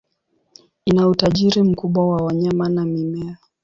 Ina utajiri mkubwa wa wanyama na mimea.